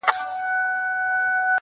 هسي نه چي د قصاب جوړه پلمه سي-